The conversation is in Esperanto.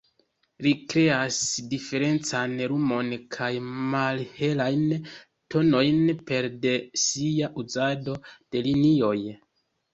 Li kreas diferencan lumon kaj malhelajn tonojn pere de sia uzado de linioj.